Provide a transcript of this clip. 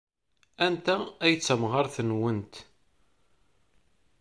Anta ay d tamɣart-nwent?